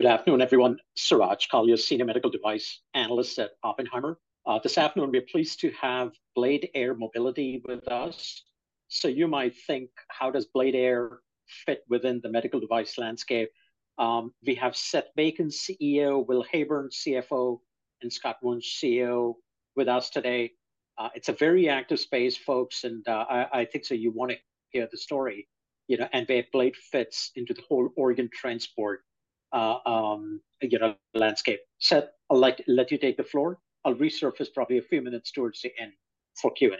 Good afternoon, everyone. Suraj Kalia, Senior Medical Device Analyst at Oppenheimer. This afternoon, we're pleased to have Blade Air Mobility with us. You might think, how does Blade Air fit within the medical device landscape? We have Seth Bacon, CEO; Will Heyburn, CFO; and Scott Wunsch, COO, with us today. It's a very active space, folks, and I think you want to hear the story. And where Blade fits into the whole organ transport landscape. Seth, I'll let you take the floor. I'll resurface probably a few minutes towards the end for Q&A.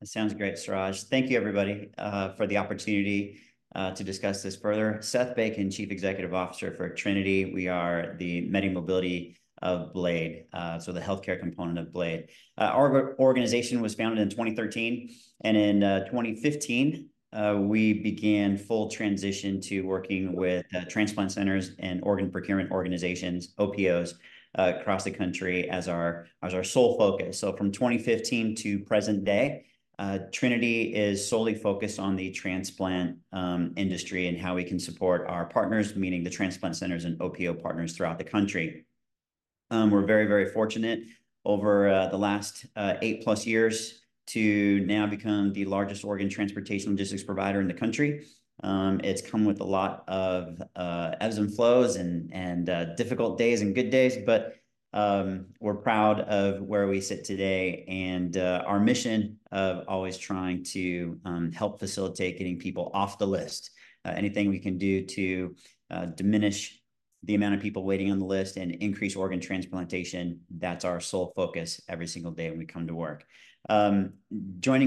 That sounds great, Suraj. Thank you, everybody, for the opportunity to discuss this further. Seth Bacon, Chief Executive Officer for Trinity. We are the MediMobility of Blade, so the healthcare component of Blade. Our organization was founded in 2013, and in 2015, we began full transition to working with transplant centers and organ procurement organizations, OPOs, across the country as our sole focus. So from 2015 to present day, Trinity is solely focused on the transplant industry and how we can support our partners, meaning the transplant centers and OPO partners throughout the country. We're very, very fortunate over the last 8+ years to now become the largest organ transportation logistics provider in the country. It's come with a lot of ebbs and flows and difficult days and good days, but we're proud of where we sit today and our mission of always trying to help facilitate getting people off the list. Anything we can do to diminish the amount of people waiting on the list and increase organ transplantation, that's our sole focus every single day when we come to work. Joining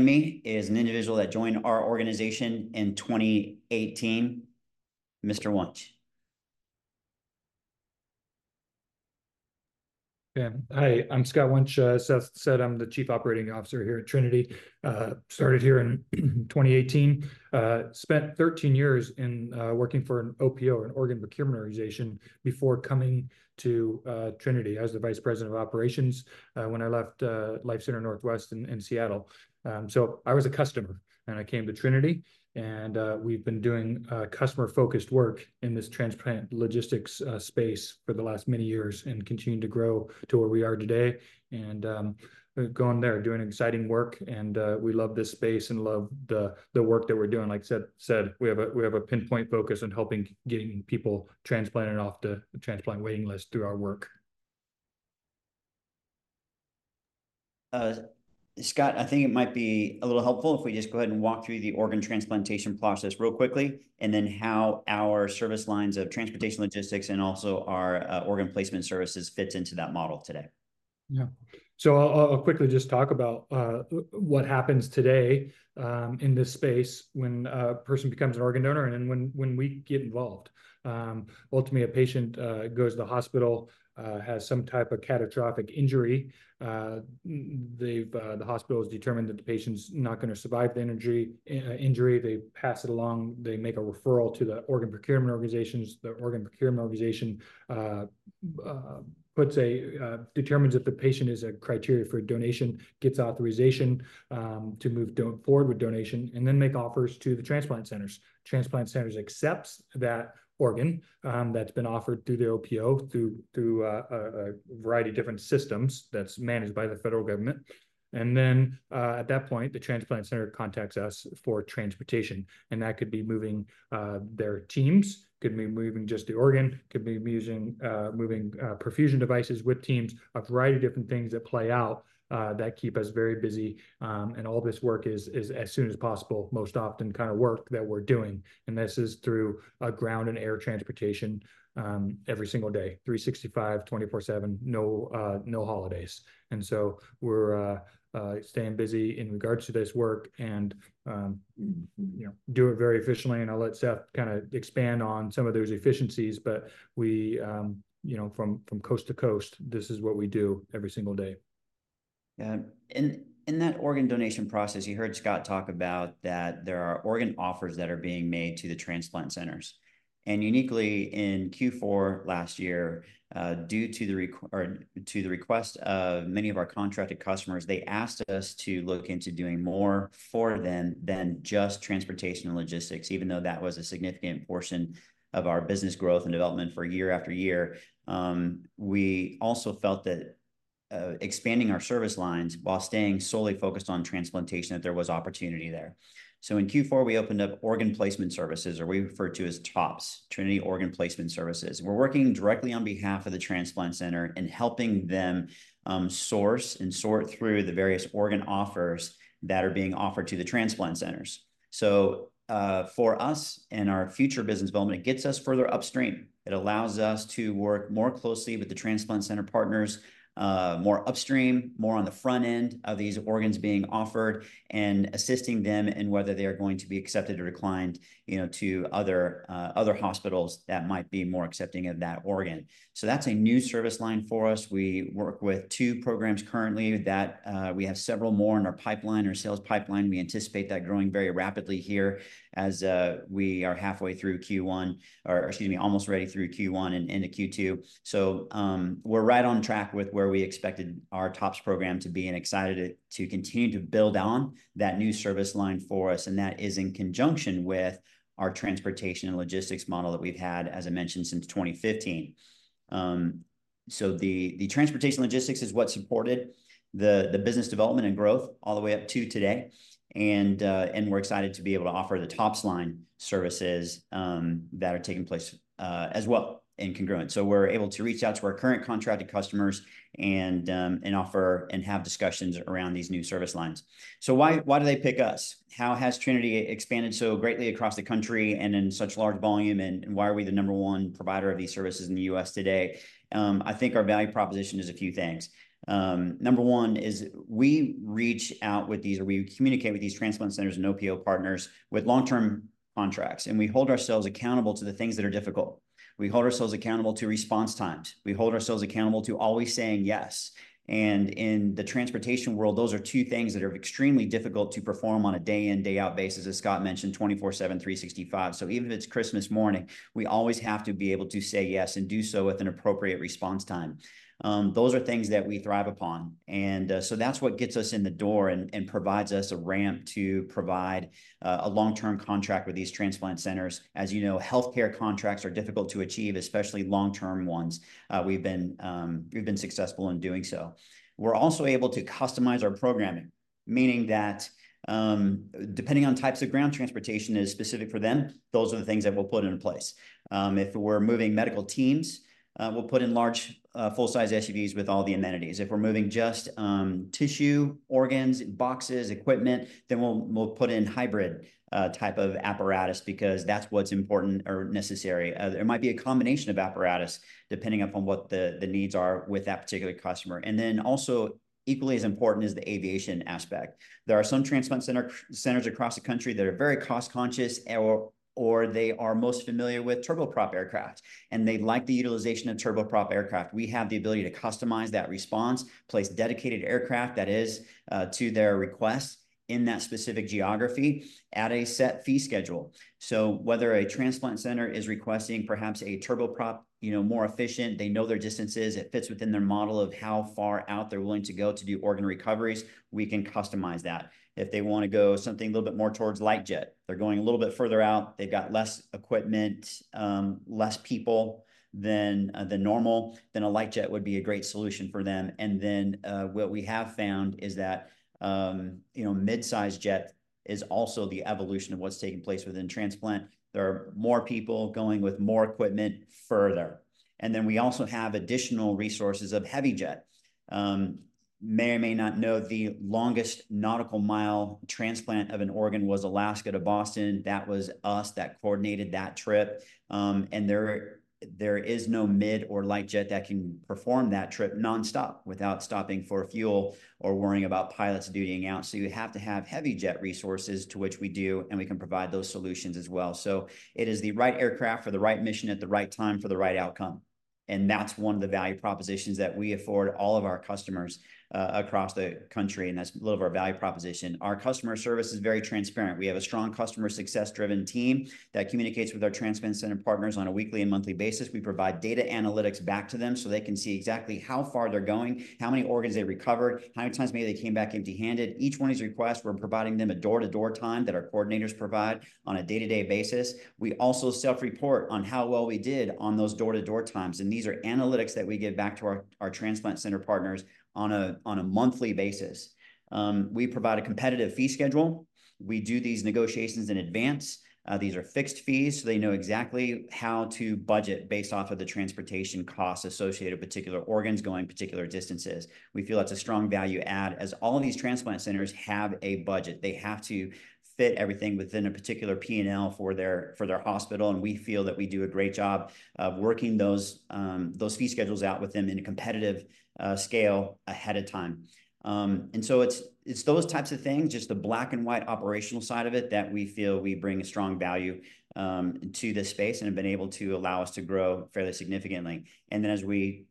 me is an individual that joined our organization in 2018, Mr. Wunsch. Hi. I'm Scott Wunsch. As Seth said, I'm the Chief Operating Officer here at Trinity. Started here in 2018. Spent 13 years working for an OPO, an organ procurement organization, before coming to Trinity. I was the Vice President of Operations when I left LifeCenter Northwest in Seattle. So I was a customer, and I came to Trinity, and we've been doing customer-focused work in this transplant logistics space for the last many years and continuing to grow to where we are today. And going there, doing exciting work, and we love this space and love the work that we're doing. Like Seth said, we have a pinpoint focus on helping get people transplanted off the transplant waiting list through our work. Scott, I think it might be a little helpful if we just go ahead and walk through the organ transplantation process real quickly, and then how our service lines of transportation logistics and also our organ placement services fit into that model today. Yeah. So I'll quickly just talk about what happens today in this space when a person becomes an organ donor and then when we get involved. Ultimately, a patient goes to the hospital, has some type of catastrophic injury. The hospital has determined that the patient's not going to survive the injury. They pass it along. They make a referral to the organ procurement organizations. The organ procurement organization determines if the patient is a criteria for donation, gets authorization to move forward with donation, and then makes offers to the transplant centers. Transplant centers accept that organ that's been offered through the OPO through a variety of different systems that's managed by the federal government. And then at that point, the transplant center contacts us for transportation. And that could be moving their teams, could be moving just the organ, could be moving perfusion devices with teams, a variety of different things that play out that keep us very busy. And all this work is as soon as possible, most often kind of work that we're doing. And this is through ground and air transportation every single day, 365, 24/7, no holidays. And so we're staying busy in regards to this work and doing it very efficiently. And I'll let Seth kind of expand on some of those efficiencies, but from coast to coast, this is what we do every single day. In that organ donation process, you heard Scott talk about that there are organ offers that are being made to the transplant centers. Uniquely in Q4 last year, due to the request of many of our contracted customers, they asked us to look into doing more for them than just transportation and logistics, even though that was a significant portion of our business growth and development for year after year. We also felt that expanding our service lines while staying solely focused on transplantation, that there was opportunity there. In Q4, we opened up organ placement services, or we refer to as TOPS, Trinity Organ Placement Services. We're working directly on behalf of the transplant center and helping them source and sort through the various organ offers that are being offered to the transplant centers. So for us and our future business development, it gets us further upstream. It allows us to work more closely with the transplant center partners, more upstream, more on the front end of these organs being offered, and assisting them in whether they are going to be accepted or declined to other hospitals that might be more accepting of that organ. So that's a new service line for us. We work with two programs currently. We have several more in our pipeline, our sales pipeline. We anticipate that growing very rapidly here as we are halfway through Q1, or excuse me, almost ready through Q1 and into Q2. So we're right on track with where we expected our TOPS program to be and excited to continue to build on that new service line for us. That is in conjunction with our transportation and logistics model that we've had, as I mentioned, since 2015. The transportation logistics is what supported the business development and growth all the way up to today. We're excited to be able to offer the TOPS line services that are taking place as well in congruence. We're able to reach out to our current contracted customers and offer and have discussions around these new service lines. Why do they pick us? How has Trinity expanded so greatly across the country and in such large volume, and why are we the number one provider of these services in the U.S. today? I think our value proposition is a few things. Number one is we reach out with these or we communicate with these transplant centers and OPO partners with long-term contracts. We hold ourselves accountable to the things that are difficult. We hold ourselves accountable to response times. We hold ourselves accountable to always saying yes. In the transportation world, those are two things that are extremely difficult to perform on a day-in, day-out basis, as Scott mentioned, 24/7, 365. So even if it's Christmas morning, we always have to be able to say yes and do so with an appropriate response time. Those are things that we thrive upon. So that's what gets us in the door and provides us a ramp to provide a long-term contract with these transplant centers. As you know, healthcare contracts are difficult to achieve, especially long-term ones. We've been successful in doing so. We're also able to customize our programming, meaning that depending on types of ground transportation that is specific for them, those are the things that we'll put in place. If we're moving medical teams, we'll put in large full-size SUVs with all the amenities. If we're moving just tissue, organs, boxes, equipment, then we'll put in hybrid type of apparatus because that's what's important or necessary. There might be a combination of apparatus depending upon what the needs are with that particular customer. And then also equally as important is the aviation aspect. There are some transplant centers across the country that are very cost-conscious, or they are most familiar with turboprop aircraft. And they like the utilization of turboprop aircraft. We have the ability to customize that response, place dedicated aircraft that is to their request in that specific geography at a set fee schedule. So whether a transplant center is requesting perhaps a turboprop, more efficient, they know their distances, it fits within their model of how far out they're willing to go to do organ recoveries, we can customize that. If they want to go something a little bit more towards light jet, they're going a little bit further out, they've got less equipment, less people than normal, then a light jet would be a great solution for them. And then what we have found is that midsize jet is also the evolution of what's taking place within transplant. There are more people going with more equipment further. And then we also have additional resources of heavy jet. You may or may not know the longest nautical mile transplant of an organ was Alaska to Boston. That was us that coordinated that trip. There is no mid or light jet that can perform that trip non-stop without stopping for fuel or worrying about pilots dutying out. So you have to have heavy jet resources to which we do, and we can provide those solutions as well. So it is the right aircraft for the right mission at the right time for the right outcome. And that's one of the value propositions that we afford all of our customers across the country. And that's a little of our value proposition. Our customer service is very transparent. We have a strong customer success-driven team that communicates with our transplant center partners on a weekly and monthly basis. We provide data analytics back to them so they can see exactly how far they're going, how many organs they recovered, how many times maybe they came back empty-handed. Each one of these requests, we're providing them a door-to-door time that our coordinators provide on a day-to-day basis. We also self-report on how well we did on those door-to-door times. These are analytics that we give back to our transplant center partners on a monthly basis. We provide a competitive fee schedule. We do these negotiations in advance. These are fixed fees so they know exactly how to budget based off of the transportation costs associated with particular organs going particular distances. We feel that's a strong value add as all of these transplant centers have a budget. They have to fit everything within a particular P&L for their hospital. We feel that we do a great job of working those fee schedules out with them in a competitive scale ahead of time. It's those types of things, just the black-and-white operational side of it that we feel we bring a strong value to this space and have been able to allow us to grow fairly significantly. As we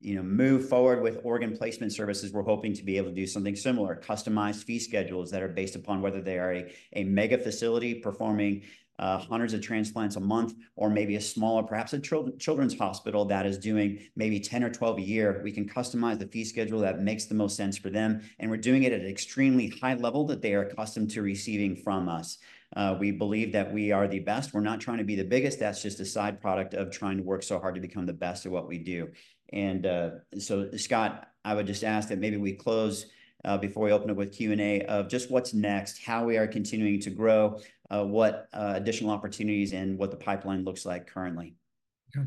move forward with organ placement services, we're hoping to be able to do something similar, customized fee schedules that are based upon whether they are a mega facility performing hundreds of transplants a month or maybe a smaller, perhaps a children's hospital that is doing maybe 10 or 12 a year. We can customize the fee schedule that makes the most sense for them. We're doing it at an extremely high level that they are accustomed to receiving from us. We believe that we are the best. We're not trying to be the biggest. That's just a side product of trying to work so hard to become the best at what we do. And so, Scott, I would just ask that maybe we close before we open up with Q&A of just what's next, how we are continuing to grow, what additional opportunities, and what the pipeline looks like currently. Okay.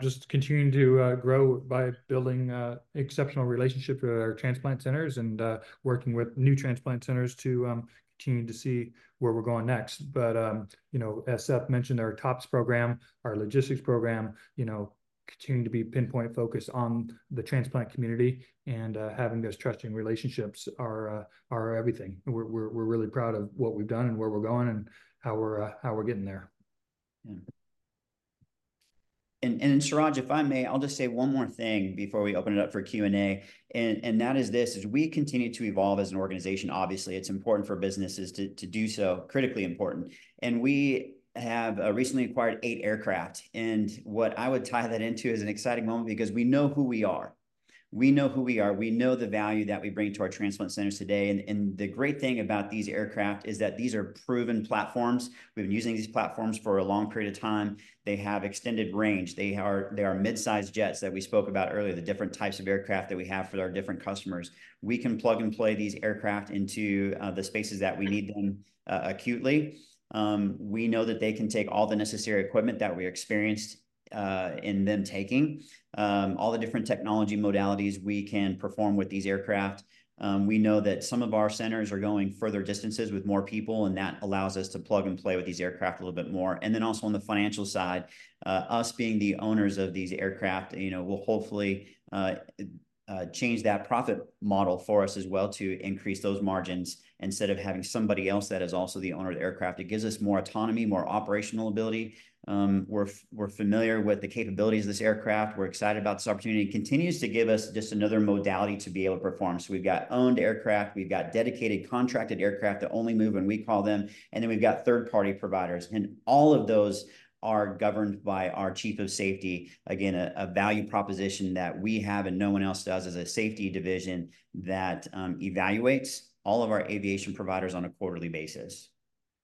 Just continuing to grow by building exceptional relationships with our transplant centers and working with new transplant centers to continue to see where we're going next. But as Seth mentioned, our TOPS program, our logistics program, continuing to be pinpoint focused on the transplant community and having those trusting relationships are everything. We're really proud of what we've done and where we're going and how we're getting there. And then Suraj, if I may, I'll just say one more thing before we open it up for Q&A. And that is this: as we continue to evolve as an organization, obviously, it's important for businesses to do so, critically important. And we have recently acquired 8 aircraft. And what I would tie that into is an exciting moment because we know who we are. We know who we are. We know the value that we bring to our transplant centers today. And the great thing about these aircraft is that these are proven platforms. We've been using these platforms for a long period of time. They have extended range. They are midsize jets that we spoke about earlier, the different types of aircraft that we have for our different customers. We can plug and play these aircraft into the spaces that we need them acutely. We know that they can take all the necessary equipment that we experienced in them taking, all the different technology modalities we can perform with these aircraft. We know that some of our centers are going further distances with more people, and that allows us to plug and play with these aircraft a little bit more. And then also on the financial side, us being the owners of these aircraft, we'll hopefully change that profit model for us as well to increase those margins instead of having somebody else that is also the owner of the aircraft. It gives us more autonomy, more operational ability. We're familiar with the capabilities of this aircraft. We're excited about this opportunity. It continues to give us just another modality to be able to perform. So we've got owned aircraft. We've got dedicated contracted aircraft that only move when we call them and then we've got third-party providers. And all of those are governed by our Chief of Safety. Again, a value proposition that we have and no one else does as a safety division that evaluates all of our aviation providers on a quarterly basis.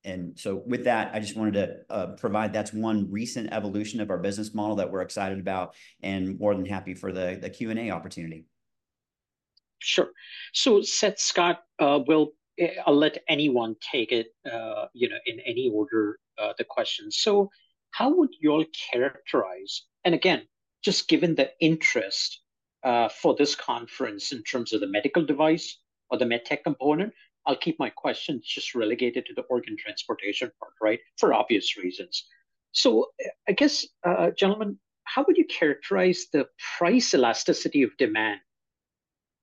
And so with that, I just wanted to provide, that's one recent evolution of our business model that we're excited about and more than happy for the Q&A opportunity. Sure. So Seth, Scott, well, I'll let anyone take it in any order, the questions. So how would you all characterize, and again, just given the interest for this conference in terms of the medical device or the medtech component, I'll keep my questions just relegated to the organ transportation part, right, for obvious reasons. So I guess, gentlemen, how would you characterize the price elasticity of demand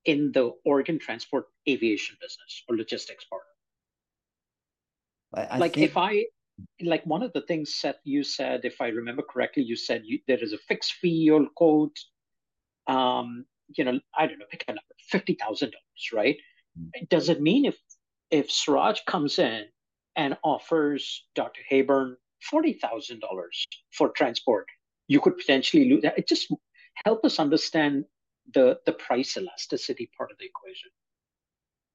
in the organ transport aviation business or logistics part? If I, one of the things Seth, you said, if I remember correctly, you said there is a fixed fee, you'll quote, I don't know, pick a number, $50,000, right? Does it mean if Suraj comes in and offers Dr. Heyburn $40,000 for transport, you could potentially lose that? Just help us understand the price elasticity part of the equation?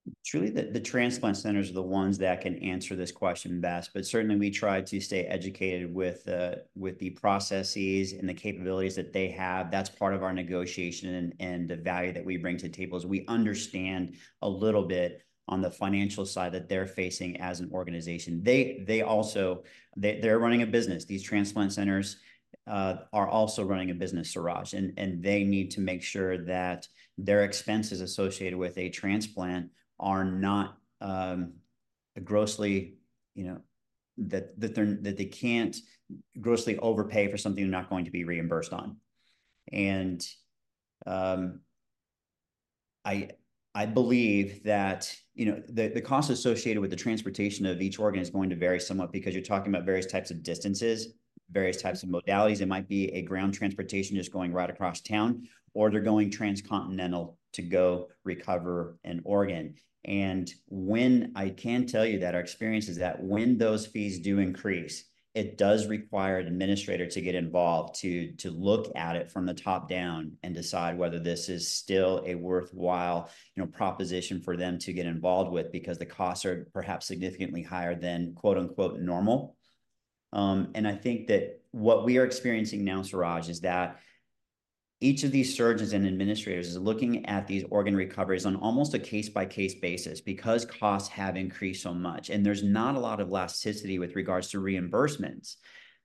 It's really the transplant centers are the ones that can answer this question best. But certainly, we try to stay educated with the processes and the capabilities that they have. That's part of our negotiation. And the value that we bring to the table is we understand a little bit on the financial side that they're facing as an organization. They're running a business. These transplant centers are also running a business, Suraj. And they need to make sure that their expenses associated with a transplant that they can't grossly overpay for something they're not going to be reimbursed on. And I believe that the cost associated with the transportation of each organ is going to vary somewhat because you're talking about various types of distances, various types of modalities. It might be a ground transportation just going right across town, or they're going transcontinental to go recover an organ. And I can tell you that our experience is that when those fees do increase, it does require an administrator to get involved to look at it from the top down and decide whether this is still a worthwhile proposition for them to get involved with because the costs are perhaps significantly higher than "normal." And I think that what we are experiencing now, Suraj, is that each of these surgeons and administrators is looking at these organ recoveries on almost a case-by-case basis because costs have increased so much. There's not a lot of elasticity with regards to reimbursements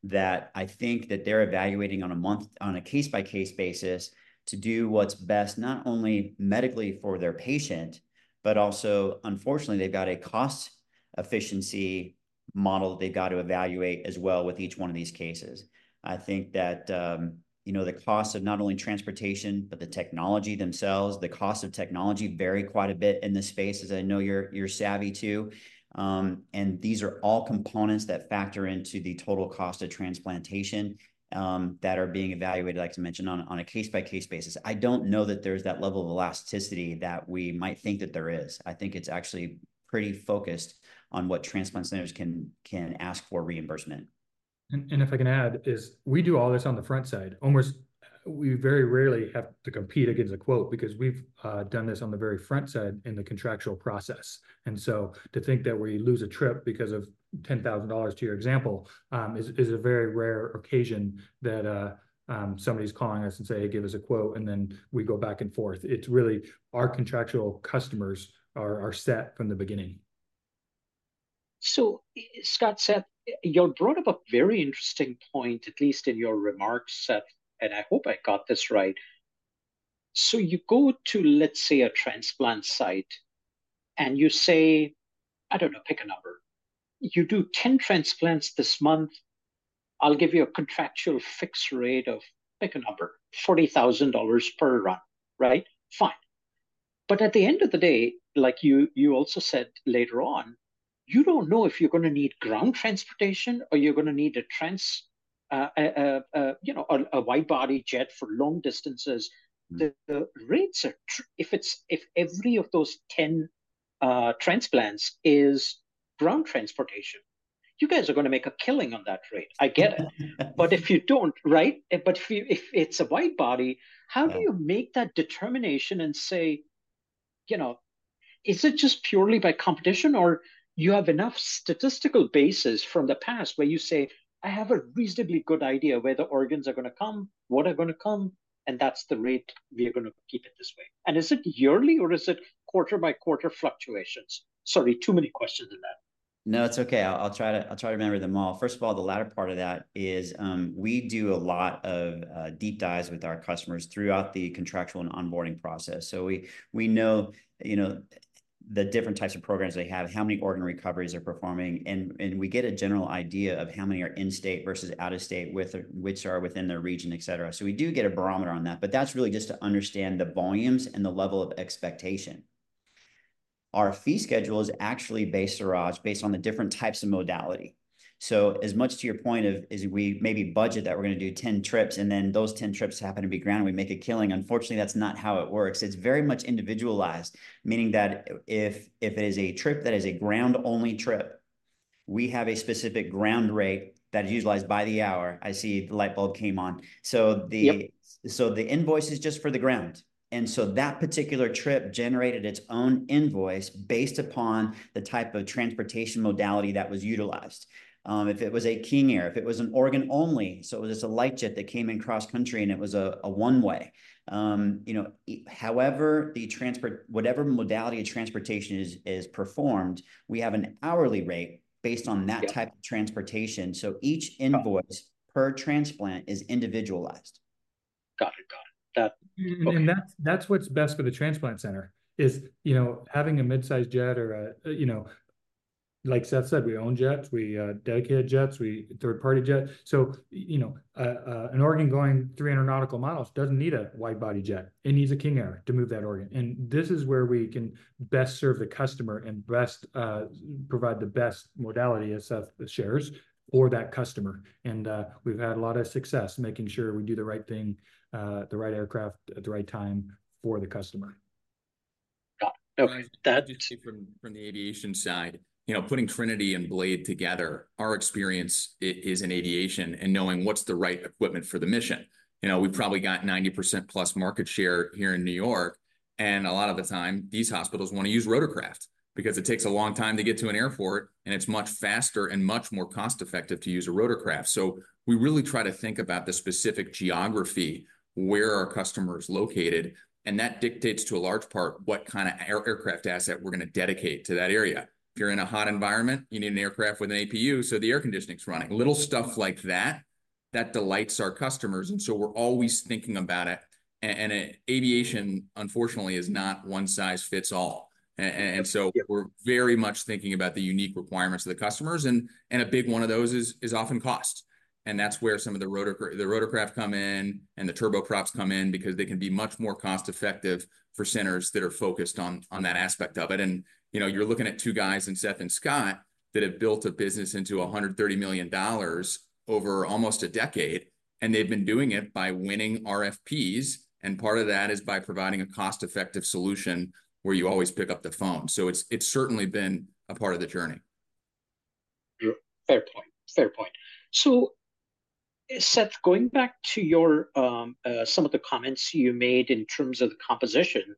that I think that they're evaluating on a case-by-case basis to do what's best not only medically for their patient, but also, unfortunately, they've got a cost efficiency model that they've got to evaluate as well with each one of these cases. I think that the cost of not only transportation, but the technology themselves, the cost of technology varies quite a bit in this space, as I know you're savvy to. These are all components that factor into the total cost of transplantation that are being evaluated, like I mentioned, on a case-by-case basis. I don't know that there's that level of elasticity that we might think that there is. I think it's actually pretty focused on what transplant centers can ask for reimbursement. If I can add, we do all this on the front side. We very rarely have to compete against a quote because we've done this on the very front side in the contractual process. And so to think that we lose a trip because of $10,000, to your example, is a very rare occasion that somebody's calling us and saying, "Hey, give us a quote," and then we go back and forth. It's really our contractual customers are set from the beginning. So Scott, Seth, you brought up a very interesting point, at least in your remarks, Seth, and I hope I got this right. So you go to, let's say, a transplant site and you say, I don't know, pick a number. You do 10 transplants this month. I'll give you a contractual fixed rate of, pick a number, $40,000 per run, right? Fine. But at the end of the day, like you also said later on, you don't know if you're going to need ground transportation or you're going to need a wide-body jet for long distances. If every of those 10 transplants is ground transportation, you guys are going to make a killing on that rate. I get it. But if you don't, right? But if it's a wide body, how do you make that determination and say, is it just purely by competition, or you have enough statistical basis from the past where you say, "I have a reasonably good idea where the organs are going to come, what are going to come, and that's the rate we are going to keep it this way"? And is it yearly, or is it quarter-by-quarter fluctuations? Sorry, too many questions in that. No, it's okay. I'll try to remember them all. First of all, the latter part of that is we do a lot of deep dives with our customers throughout the contractual and onboarding process. So we know the different types of programs they have, how many organ recoveries they're performing, and we get a general idea of how many are in-state versus out-of-state, which are within their region, etc. So we do get a barometer on that, but that's really just to understand the volumes and the level of expectation. Our fee schedule is actually based, Suraj, based on the different types of modality. So as much to your point of, is we maybe budget that we're going to do 10 trips, and then those 10 trips happen to be ground, and we make a killing. Unfortunately, that's not how it works. It's very much individualized, meaning that if it is a trip that is a ground-only trip, we have a specific ground rate that is utilized by the hour. I see the light bulb came on. So the invoice is just for the ground. And so that particular trip generated its own invoice based upon the type of transportation modality that was utilized. If it was a King Air, if it was an organ-only, so it was just a light jet that came in cross-country and it was a one-way. However, whatever modality of transportation is performed, we have an hourly rate based on that type of transportation. So each invoice per transplant is individualized. Got it. Got it. That's what's best for the transplant center is having a midsize jet or, like Seth said, we own jets, we dedicate jets, we third-party jets. So an organ going 300 nautical miles doesn't need a wide-body jet. It needs a King Air to move that organ. This is where we can best serve the customer and best provide the best modality as Seth shares for that customer. We've had a lot of success making sure we do the right thing, the right aircraft at the right time for the customer. Got it. That I do see from the aviation side, putting Trinity and Blade together, our experience is in aviation and knowing what's the right equipment for the mission. We've probably got 90%+ market share here in New York. And a lot of the time, these hospitals want to use rotorcraft because it takes a long time to get to an airport, and it's much faster and much more cost-effective to use a rotorcraft. So we really try to think about the specific geography, where our customer is located. And that dictates, to a large part, what kind of aircraft asset we're going to dedicate to that area. If you're in a hot environment, you need an aircraft with an APU so the air conditioning is running. Little stuff like that, that delights our customers. And so we're always thinking about it. And aviation, unfortunately, is not one-size-fits-all. We're very much thinking about the unique requirements of the customers. A big one of those is often cost. That's where some of the rotorcraft come in and the turboprops come in because they can be much more cost-effective for centers that are focused on that aspect of it. You're looking at two guys, Seth and Scott, that have built a business into $130 million over almost a decade. They've been doing it by winning RFPs. Part of that is by providing a cost-effective solution where you always pick up the phone. So it's certainly been a part of the journey. Fair point. So Seth, going back to some of the comments you made in terms of the composition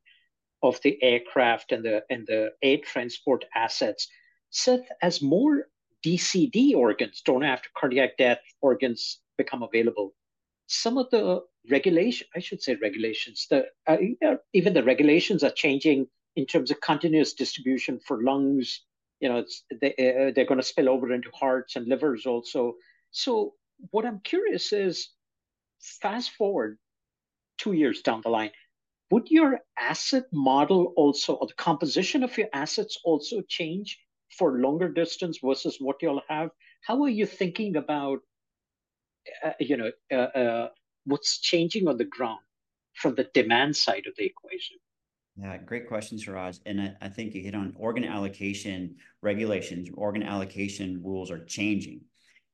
of the aircraft and the air transport assets, Seth, as more DCD organs, donation after cardiac death organs, become available, some of the regulations, I should say regulations, even the regulations are changing in terms of continuous distribution for lungs. They're going to spill over into hearts and livers also. So what I'm curious is, fast forward 2 years down the line, would your asset model also or the composition of your assets also change for longer distance versus what you all have? How are you thinking about what's changing on the ground from the demand side of the equation? Yeah, great question, Suraj. And I think you hit on organ allocation regulations. Organ allocation rules are changing.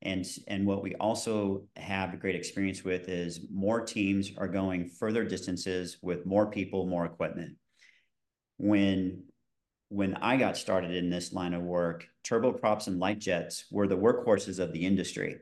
And what we also have a great experience with is more teams are going further distances with more people, more equipment. When I got started in this line of work, turboprops and light jets were the workhorses of the industry.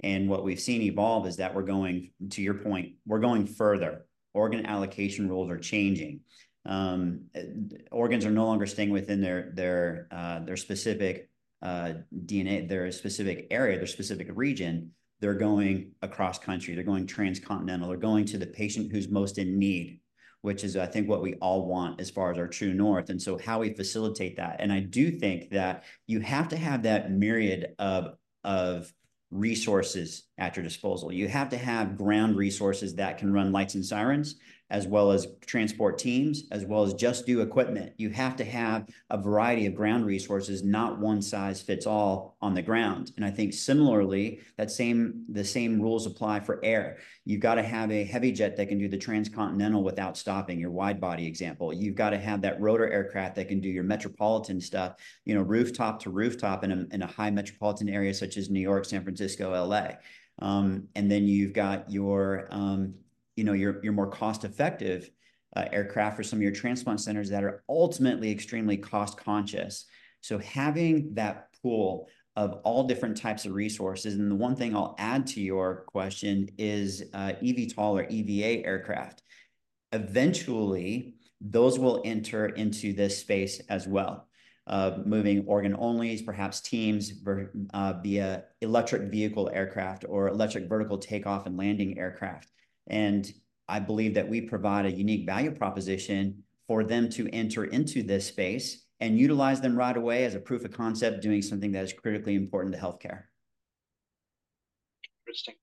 And what we've seen evolve is that we're going, to your point, we're going further. Organ allocation rules are changing. Organs are no longer staying within their specific DSA, their specific area, their specific region. They're going across country. They're going transcontinental. They're going to the patient who's most in need, which is, I think, what we all want as far as our true north. And so how we facilitate that. And I do think that you have to have that myriad of resources at your disposal. You have to have ground resources that can run lights and sirens as well as transport teams as well as just do equipment. You have to have a variety of ground resources, not one-size-fits-all on the ground. And I think, similarly, the same rules apply for air. You've got to have a heavy jet that can do the transcontinental without stopping, your wide-body example. You've got to have that rotor aircraft that can do your metropolitan stuff, rooftop to rooftop in a high metropolitan area such as New York, San Francisco, L.A. And then you've got your more cost-effective aircraft for some of your transplant centers that are ultimately extremely cost-conscious. Having that pool of all different types of resources, and the one thing I'll add to your question is eVTOL or EVA aircraft, eventually, those will enter into this space as well, moving organ-onlies, perhaps teams via electric vehicle aircraft or electric vertical takeoff and landing aircraft. I believe that we provide a unique value proposition for them to enter into this space and utilize them right away as a proof of concept doing something that is critically important to healthcare. Interesting.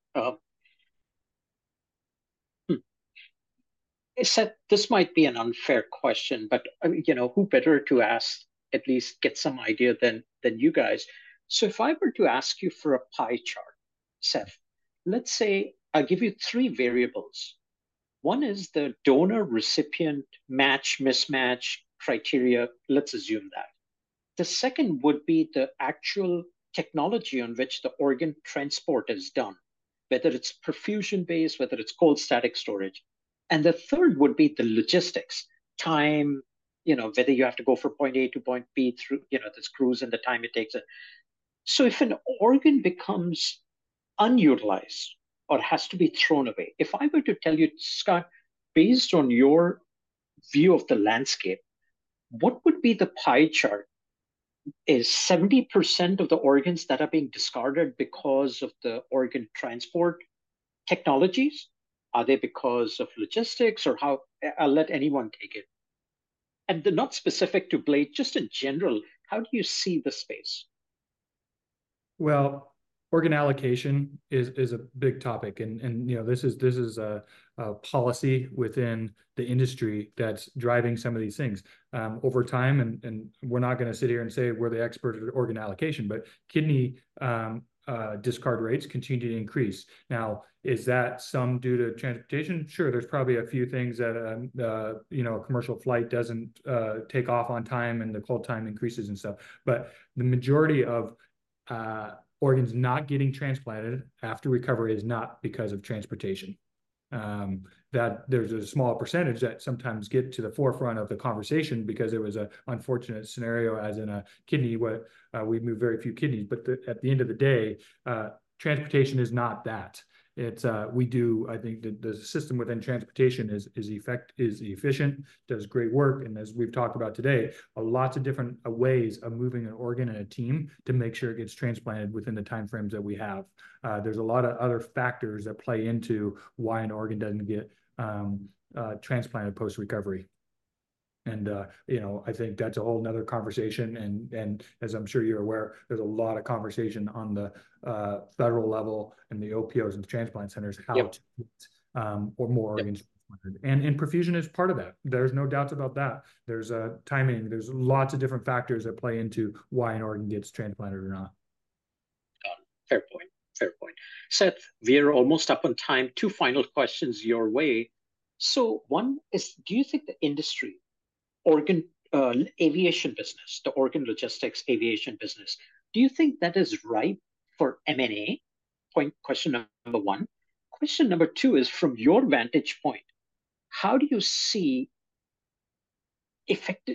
Seth, this might be an unfair question, but who better to ask, at least get some idea, than you guys? So if I were to ask you for a pie chart, Seth, let's say I give you three variables. One is the donor-recipient match, mismatch criteria. Let's assume that. The second would be the actual technology on which the organ transport is done, whether it's perfusion-based, whether it's cold static storage. And the third would be the logistics, time, whether you have to go from point A to point B through the screws and the time it takes. So if an organ becomes unutilized or has to be thrown away, if I were to tell you, "Scott, based on your view of the landscape, what would be the pie chart? Is 70% of the organs that are being discarded because of the organ transport technologies? Are they because of logistics, or how?" I'll let anyone take it. Not specific to Blade, just in general, how do you see the space? Well, organ allocation is a big topic. This is a policy within the industry that's driving some of these things. Over time, and we're not going to sit here and say we're the experts at organ allocation, but kidney discard rates continue to increase. Now, is that some due to transportation? Sure. There's probably a few things that a commercial flight doesn't take off on time and the cold time increases and stuff. But the majority of organs not getting transplanted after recovery is not because of transportation. There's a small percentage that sometimes get to the forefront of the conversation because it was an unfortunate scenario, as in a kidney. We moved very few kidneys. But at the end of the day, transportation is not that. I think the system within transportation is efficient, does great work. And as we've talked about today, there are lots of different ways of moving an organ and a team to make sure it gets transplanted within the time frames that we have. There's a lot of other factors that play into why an organ doesn't get transplanted post-recovery. And I think that's a whole nother conversation. And as I'm sure you're aware, there's a lot of conversation on the federal level and the OPOs and transplant centers how to get more organs transplanted. And perfusion is part of that. There's no doubts about that. There's timing. There's lots of different factors that play into why an organ gets transplanted or not. Fair point. Fair point. Seth, we are almost up on time. Two final questions your way. So one is, do you think the industry, aviation business, the organ logistics aviation business, do you think that is right for M&A? Question number one. Question number two is, from your vantage point, how do you see the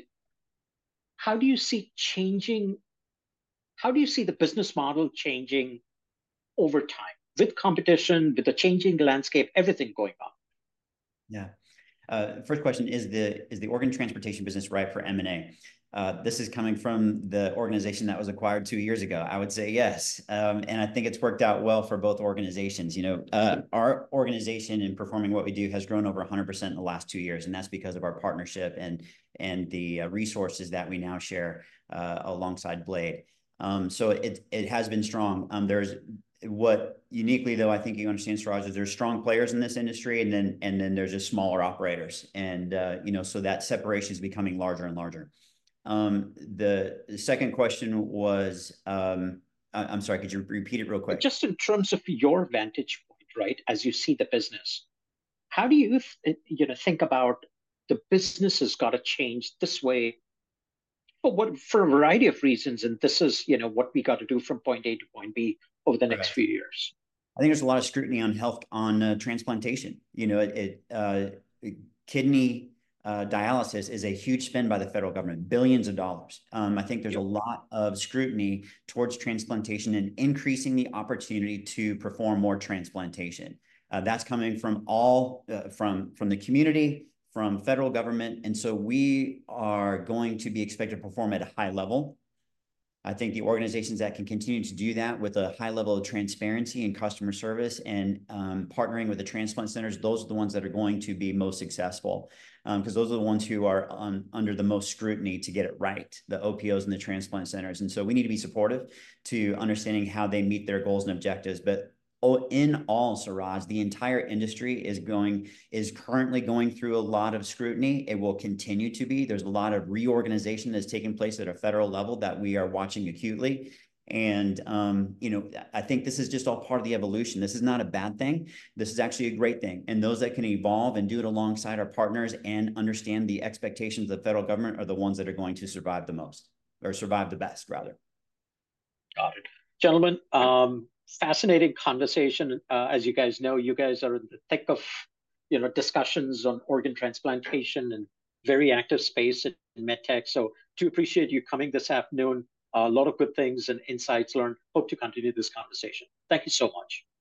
business model changing over time with competition, with the changing landscape, everything going on? Yeah. First question, is the organ transportation business right for M&A? This is coming from the organization that was acquired two years ago. I would say yes. And I think it's worked out well for both organizations. Our organization in performing what we do has grown over 100% in the last two years. And that's because of our partnership and the resources that we now share alongside Blade. So it has been strong. What uniquely, though, I think you understand, Suraj, is there are strong players in this industry, and then there's just smaller operators. And so that separation is becoming larger and larger. The second question was. I'm sorry. Could you repeat it real quick? Just in terms of your vantage point, right, as you see the business, how do you think about the business has got to change this way for a variety of reasons, and this is what we got to do from point A to point B over the next few years? I think there's a lot of scrutiny on transplantation. Kidney dialysis is a huge spend by the federal government, billions of dollars. I think there's a lot of scrutiny towards transplantation and increasing the opportunity to perform more transplantation. That's coming from the community, from federal government. And so we are going to be expected to perform at a high level. I think the organizations that can continue to do that with a high level of transparency and customer service and partnering with the transplant centers, those are the ones that are going to be most successful because those are the ones who are under the most scrutiny to get it right, the OPOs and the transplant centers. And so we need to be supportive to understanding how they meet their goals and objectives. But in all, Suraj, the entire industry is currently going through a lot of scrutiny. It will continue to be. There's a lot of reorganization that's taking place at a federal level that we are watching acutely. I think this is just all part of the evolution. This is not a bad thing. This is actually a great thing. Those that can evolve and do it alongside our partners and understand the expectations of the federal government are the ones that are going to survive the most or survive the best, rather. Got it. Gentlemen, fascinating conversation. As you guys know, you guys are in the thick of discussions on organ transplantation and very active space in medtech. I do appreciate you coming this afternoon. A lot of good things and insights learned. Hope to continue this conversation. Thank you so much.